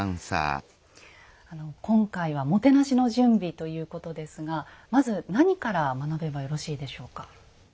今回はもてなしの準備ということですがまず何から学べばよろしいでしょうか？